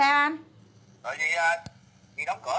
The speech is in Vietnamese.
ở đây là chị trao đổi với tôi nha